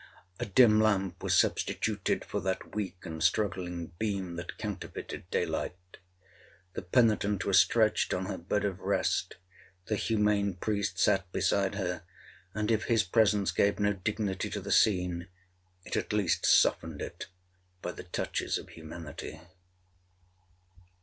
A dim lamp was substituted for that weak and struggling beam that counterfeited day light. The penitent was stretched on her bed of rest—the humane priest sat beside her; and if his presence gave no dignity to the scene, it at least softened it by the touches of humanity.